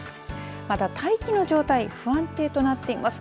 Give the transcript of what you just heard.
また大気の状態不安定となっています。